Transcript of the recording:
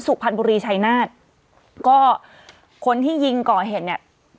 สุขพันธ์บุรีชัยนาธิ์ก็คนที่ยิงก่อเห็นเนี้ย